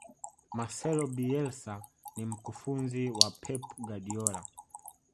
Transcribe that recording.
marcelo bielsa ni mkufunzi wa pep guardiola